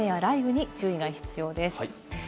午後は雨や雷雨に注意が必要です。